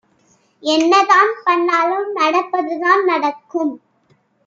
என்னதான் பண்ணாலும் நடப்பது தான் நடக்கும்